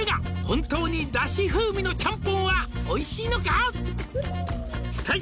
「本当にダシ風味のちゃんぽんはおいしいのか？」